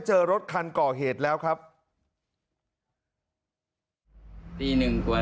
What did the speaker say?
จะขัดแย้งกับร้านไหนหรือเปล่า